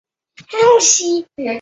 晚清至抗战前著名报刊活动家。